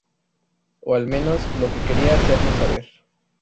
O al menos, lo que quería hacernos saber.